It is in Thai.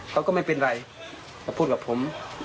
เขาก็ไม่เป็นไรมาพูดกับผม